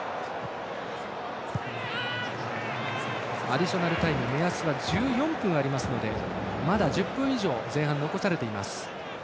アディショナルタイム目安は１４分ありますのでまだ１０分以上、前半残されています。